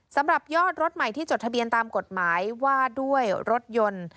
สำหรับยอดรถใหม่ที่จดทะเบียนตามกฎหมายว่าด้วยรถยนต์